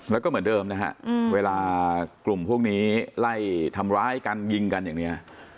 แล้วก็เหมือนเดิมนะฮะเวลากลุ่มพวกนี้ไล่ทำร้ายกันยิงกันอย่างนี้